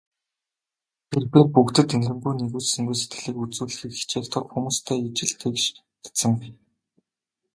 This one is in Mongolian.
Тэр бээр бүгдэд энэрэнгүй, нигүүлсэнгүй сэтгэлийг үзүүлэхийг хичээх тул хүмүүстэй ижил тэгш харьцана.